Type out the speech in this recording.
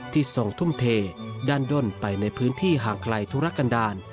ทรงทุ่มเทด้านด้นไปในพื้นที่ห่างไกลธุรกันดาล